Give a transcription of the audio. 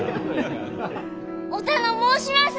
お頼申します！